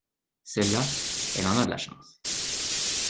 Celle-là elle en a de la chance.